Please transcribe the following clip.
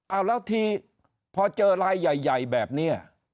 เอาแล้วทีพอเจอลายใหญ่แบบนี้